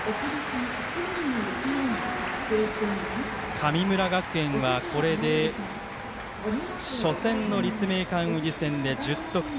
神村学園はこれで初戦の立命館宇治戦で１０得点。